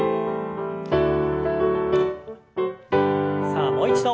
さあもう一度。